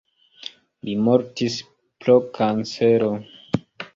Li mortis pro kancero.